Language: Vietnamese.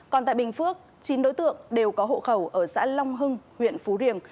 còn tại bình phước chín đối tượng đều có hộ khẩu ở xã long hưng huyện phú riềng